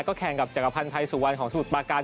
แข่งกับจักรพันธ์ไทยสุวรรณของสมุทรปาการ